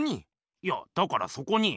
いやだからそこに。